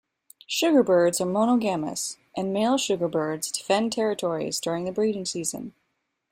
Sugarbirds are monogamous, and male sugarbirds defend territories during the breeding season.